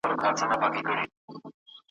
غواړم له شونډو دي پلمې په شپه کي وتښتوم `